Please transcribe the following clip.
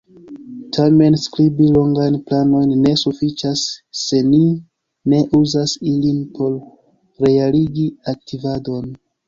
Tamen, skribi longajn planojn ne sufiĉas se ni ne uzas ilin por realigi aktivadon.